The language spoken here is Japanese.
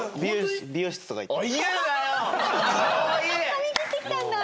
髪切ってきたんだ。